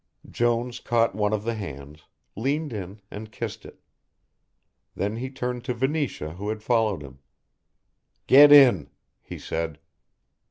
Jones caught one of the hands, leaned in and kissed it. Then he turned to Venetia who had followed him. "Get in," he said.